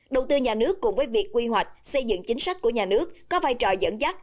đầu tư nhà nước cùng với việc quy hoạch xây dựng chính sách của nhà nước có vai trò dẫn dắt